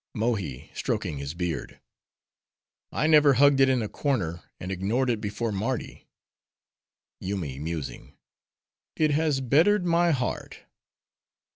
Mohi (stroking his beard)—I never hugged it in a corner, and ignored it before Mardi. Yoomy (musing)—It has bettered my heart.